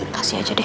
kasih aja deh